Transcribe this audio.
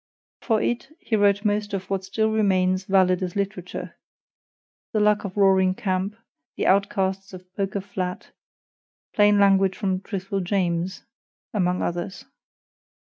For it, he wrote most of what still remains valid as literature THE LUCK OF ROARING CAMP, THE OUTCASTS OF POKER FLAT, PLAIN LANGUAGE FROM TRUTHFUL JAMES, among others.